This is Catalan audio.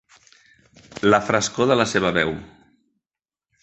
La frescor de la seva veu.